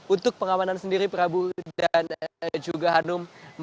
untuk pengamanan sendiri prabu dan juga hanum